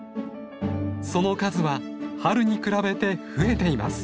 その数は春に比べて増えています。